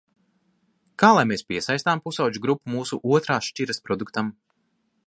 Kā lai mēs piesaistām pusaudžu grupu mūsu otrās šķiras produktam?